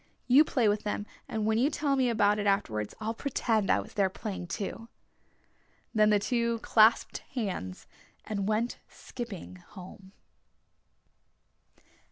You play with them and when you tell me about it afterwards I'll pretend I was there playing too." Then the two clasped hands and went skipping home.